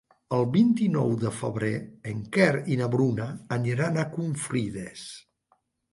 El vint-i-nou de febrer en Quer i na Bruna aniran a Confrides.